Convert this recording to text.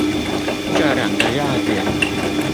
這兩個要點